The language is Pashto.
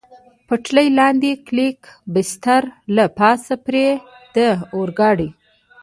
پټلۍ لاندې کلک بستر، له پاسه پرې د اورګاډي.